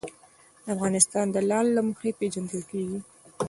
افغانستان د لعل له مخې پېژندل کېږي.